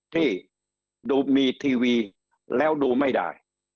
ที่ดูมีทีวีแล้วดูไม่ได้